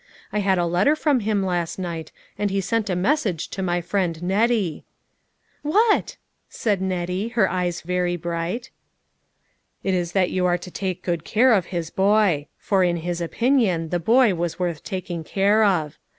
I had a letter from him last night, and he sent a message to my friend Nettie." " What ?" asked Nettie, her eyes very bright. " It was that you were to take good care of his boy ; for in his opinion the boy was worth taking care of.